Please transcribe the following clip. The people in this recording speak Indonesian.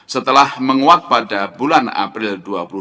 setelah menguak pada bulan april dua ribu dua puluh